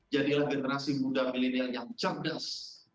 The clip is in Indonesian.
jadilah generasi muda milenial yang cerdas